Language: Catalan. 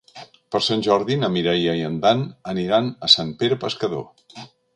Per Sant Jordi na Mireia i en Dan aniran a Sant Pere Pescador.